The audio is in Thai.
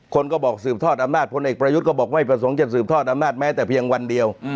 คนก็บอกสืบทอดอำนาจพลเอกประยุทธ์ก็บอกไม่ประสงค์จะสืบทอดอำนาจแม้แต่เพียงวันเดียว